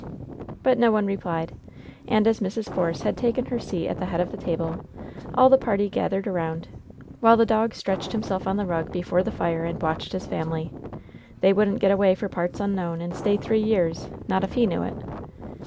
But no one replied ; and as Mrs. Force had taken her 14« LOVE'S BITTEREST CUP seat at the head of the table, all the party gathered around, while the dog stretched himself on the rug be fore the fire and watched his family. They wouldn't get away again for parts unknown, and stay three years — ^not if he knew it